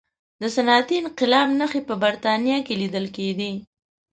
د صنعتي انقلاب نښې په برتانیا کې لیدل کېدې.